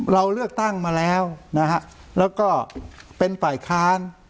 เราเลือกตั้งมาแล้วนะฮะแล้วก็เป็นฝ่ายค้าน